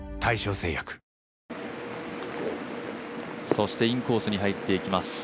そしてインコースに入っていきます。